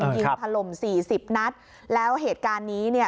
ยิงถล่มสี่สิบนัดแล้วเหตุการณ์นี้เนี่ย